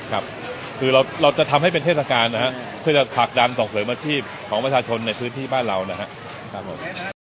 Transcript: ครับคือเราจะทำให้เป็นเทศกาลนะครับเพื่อจะผลักดันส่งเสริมอาชีพของประชาชนในพื้นที่บ้านเรานะครับผม